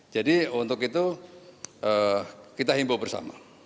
jadi untuk itu kita himbaw bersama